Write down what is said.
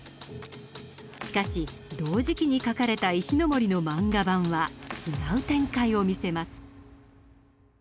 しかし同時期に描かれた石森の漫画版は違う展開を見せます。